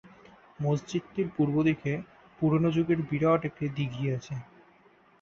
মসজিদটির পূর্ব দিকে পুরনো যুগের বিরাট একটি দিঘী আছে।